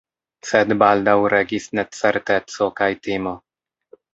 Sed baldaŭ regis necerteco kaj timo.